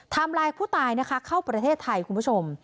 ไลน์ผู้ตายนะคะเข้าประเทศไทยคุณผู้ชม